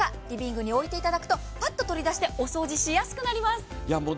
リビングに置いていただくとパッと取り出してお掃除しやすくなります。